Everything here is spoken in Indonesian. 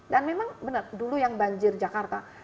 dan memang benar dulu yang banjir jakarta